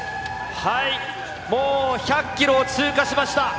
もう１００キロを通過しました。